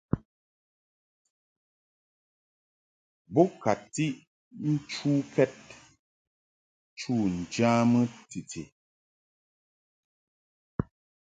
Bo ka tiʼ nchukɛd chu ŋjamɨ titi.